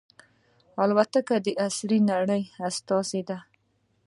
الوتکه د عصري نړۍ استازې ده.